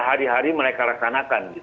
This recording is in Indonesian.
hari hari mereka laksanakan